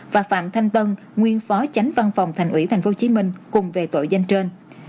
và phạm thanh tân nguyên phó tránh văn phòng thành ủy tp hcm cùng về tội danh trên